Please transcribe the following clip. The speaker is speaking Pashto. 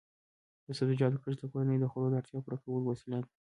د سبزیجاتو کښت د کورنیو د خوړو د اړتیا پوره کولو وسیله ده.